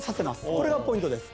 これがポイントです